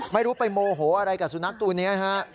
ไม่รู้ไปโมโหอะไรกับสุนัขตัวนี้ฮะ